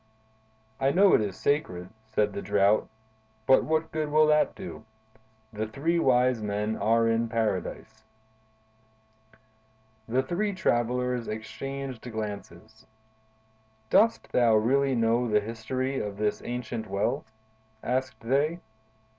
"I know it is sacred," said the Drought, "but what good will that do? The three wise men are in Paradise." The three travelers exchanged glances. "Dost thou really know the history of this ancient well?" asked they.